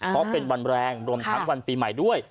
เพราะเป็นวันแรงรวมทั้งวันปีใหม่ด้วย